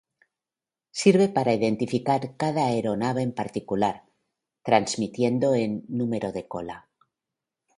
Sirve para identificar cada aeronave en particular, transmitiendo en "número de cola".